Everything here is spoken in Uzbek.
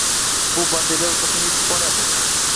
Bu banderol qachon yetib boradi?